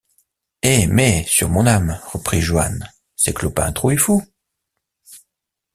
Eh mais, sur mon âme, reprit Joannes, c’est Clopin Trouillefou.